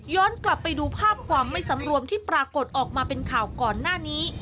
กลับไปดูภาพความไม่สำรวมที่ปรากฏออกมาเป็นข่าวก่อนหน้านี้